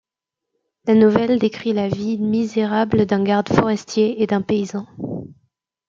La nouvelle décrit la vie misérable d'un garde forestier et d'un paysan.